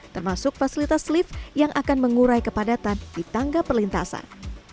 termasuk fasilitas lift yang akan mengurai kepadatan di tangga perlintasan